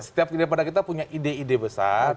setiap daripada kita punya ide ide besar